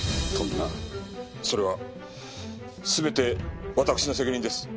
それは全て私の責任です。